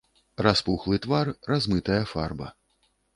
Распухлы твар, размытая фарба.